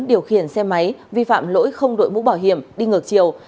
điều khiển xe máy vi phạm lỗi không đội mũ bảo hiểm đi ngược chiều